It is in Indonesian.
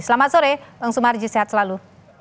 selamat sore bang sumarji sehat selalu